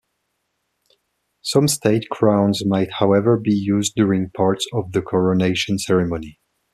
Some state crowns might however be used during parts of the coronation ceremony.